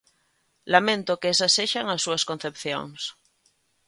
Lamento que esas sexan as súas concepcións.